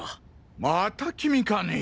また君かね。